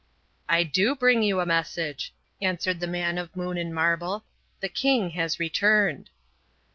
"I do bring you a message," answered the man of moon and marble. "The king has returned."